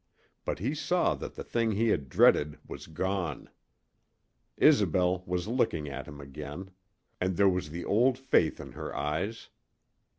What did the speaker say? But he saw that the thing he had dreaded was gone. Isobel was looking at him again and there was the old faith in her eyes.